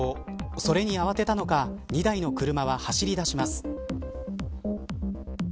それに慌てたのか２台の車は走り出します。